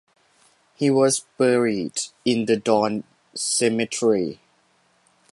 He was buried in the Don Cemetery.